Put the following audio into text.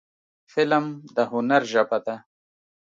فلم د هنر ژبه ده